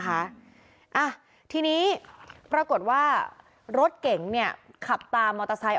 อ่ะทีนี้ปรากฏว่ารถเก๋งเนี่ยขับตามมอเตอร์ไซค์